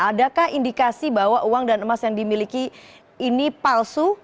adakah indikasi bahwa uang dan emas yang dimiliki ini palsu